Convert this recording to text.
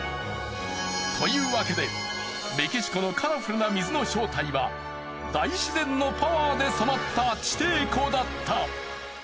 というわけでメキシコのカラフルな水の正体は大自然のパワーで染まった地底湖だった。